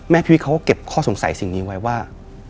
พี่วิทเขาก็เก็บข้อสงสัยสิ่งนี้ไว้ว่า